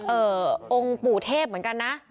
องค์ปู่เทพเหมือนกันนะ